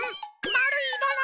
まるいもの！